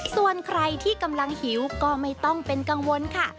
ส่วนใครที่กำลังหิวก็ไม่ต้องเป็นกังวลค่ะ